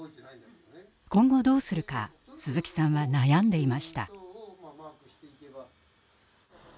今後どうするか鈴木さんは悩んでいました。